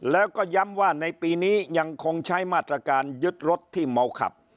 แล้วก็ย้ำว่าในปีนี้ยังคงใช้มาตรการยึดรถที่เมาขับ